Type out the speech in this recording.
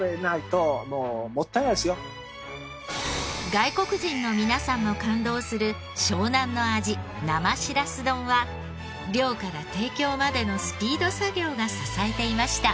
外国人の皆さんも感動する湘南の味生しらす丼は漁から提供までのスピード作業が支えていました。